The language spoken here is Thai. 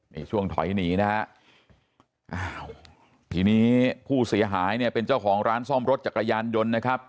นี่ช่วงถอยหนีนะฮะอ้าวทีนี้ผู้เสียหายเนี่ยเป็นเจ้าของร้านซ่อมรถจักรยานยนต์นะครับ